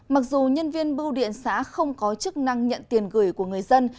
mặc dù nhân viên bưu điện xã không có chức năng nhận tiền gửi của người dân